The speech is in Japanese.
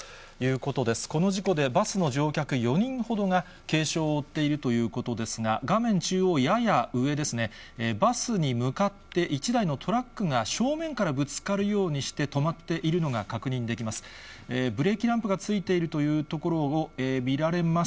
この事故でバスの乗客４人ほどが軽傷を負っているということですが、画面中央、やや上ですね、バスに向かって、１台のトラックが正面からぶつかるようにして止まっているのが確認できます。